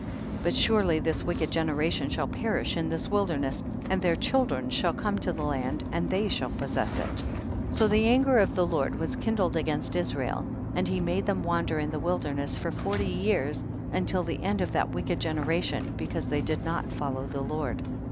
42. But surely this wicked genera tion shall perish in this wilderness, and their children shall come to the land and they shall possess it ; so the anger of the Lord was kindled against Israel, and he made them wander in the wilderness for forty years until the end of that wicked generation, because they did not follow the Lord.